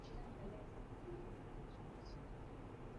Mama moja eko na shamba yake kubwa sana